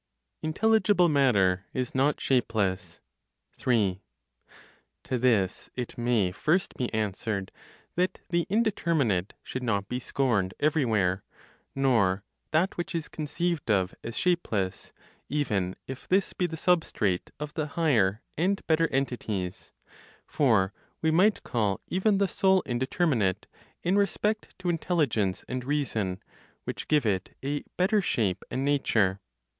INTELLIGIBLE MATTER IS NOT SHAPELESS. 3. To this it may first be answered that the indeterminate should not be scorned everywhere, nor that which is conceived of as shapeless, even if this be the substrate of the higher and better entities; for we might call even the soul indeterminate, in respect to intelligence and reason, which give it a better shape and nature.